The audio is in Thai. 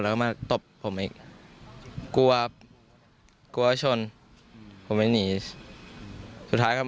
แล้วก็มาตบผมอีกกลัวกลัวชนผมไม่หนีสุดท้ายครับ